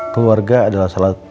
keluarga adalah salah